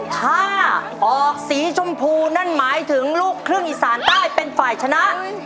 ถ้าออกสีชมพูนั่นหมายถึงลูกครึ่งอีสานใต้เป็นฝ่ายชนะ